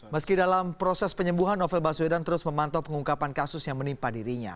meski dalam proses penyembuhan novel baswedan terus memantau pengungkapan kasus yang menimpa dirinya